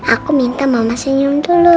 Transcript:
aku minta mama senyum dulu